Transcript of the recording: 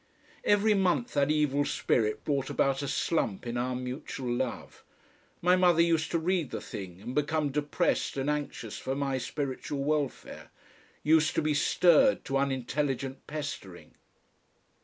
Every month that evil spirit brought about a slump in our mutual love. My mother used to read the thing and become depressed and anxious for my spiritual welfare, used to be stirred to unintelligent pestering....